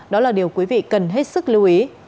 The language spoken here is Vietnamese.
đó là điều quý vị cần hết sức lưu ý